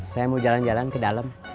saya mau jalan jalan ke dalam